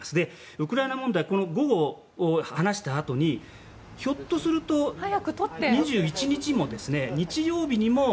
ウクライナ問題午後話したあとにひょっとすると、２１日の日曜日にも。